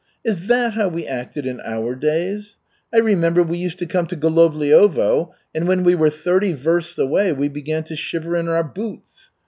Is that how we acted in our days? I remember we used to come to Golovliovo, and when we were thirty versts away, we began to shiver in our boots.